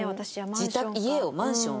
家をマンション？